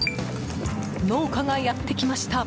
農家がやってきました。